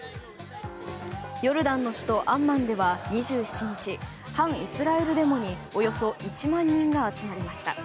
ヨルダンの首都アンマンでは２７日反イスラエルデモにおよそ１万人が集まりました。